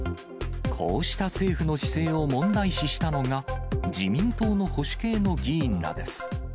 こうした政府の姿勢を問題視したのが、自民党の保守系の議員らです。